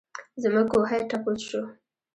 زموږ کوهۍ ټپ وچ شو.